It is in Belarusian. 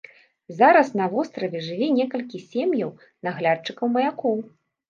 Зараз на востраве жыве некалькі сем'яў наглядчыкаў маякоў.